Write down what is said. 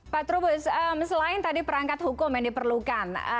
pak trubus selain tadi perangkat hukum yang diperlukan